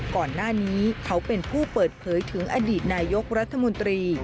ก่อนหน้านี้เขาเป็นผู้เปิดเผยถึงอดีตนายกรัฐมนตรี